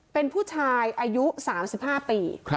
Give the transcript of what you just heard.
เป็นผู้ชายอายุ๓๕ปี